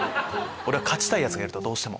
「俺は勝ちたいヤツがいるどうしても。